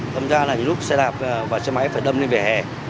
tâm ra là những lúc xe đạp và xe máy phải đâm lên về hè